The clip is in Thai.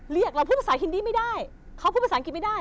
เราพูดภาษาฮินดี้ไม่ได้เขาพูดภาษาอังกฤษไม่ได้